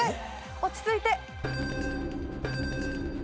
落ち着いて！